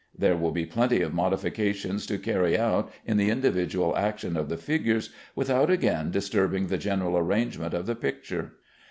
There will be plenty of modifications to carry out in the individual action of the figures without again disturbing the general arrangement of the picture.